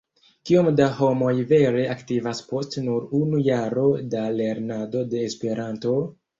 Kiom da homoj vere aktivas post nur unu jaro da lernado de Esperanto?